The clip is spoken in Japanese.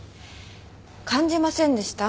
感じませんでした？